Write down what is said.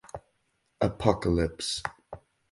Apocalypse.